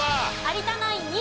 有田ナイン